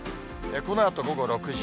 このあと午後６時。